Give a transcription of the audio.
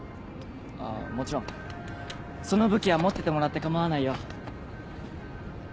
あぁもちろんその武器は持っててもらって構わないよ。